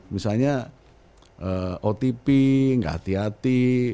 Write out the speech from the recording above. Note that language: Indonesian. misalnya otp nggak hati hati